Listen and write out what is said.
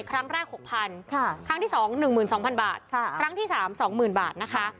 ครั้งแรก๖๐๐๐บาทครั้งที่สอง๑๒๐๐๐บาทครั้งที่สาม๒๐๐๐๐บาท